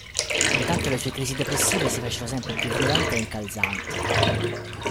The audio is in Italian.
Intanto le sue crisi depressive si fecero sempre più violente e incalzanti.